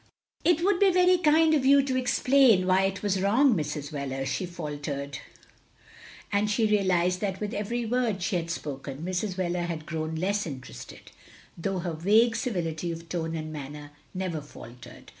" It would be very kind of you to explain why it was wrong, Mrs. Wheler,*' she faltered, and she realised that with every word she had spoken Mrs. Wheler had grown less interested, though her vague civility of tone and manner never faltered.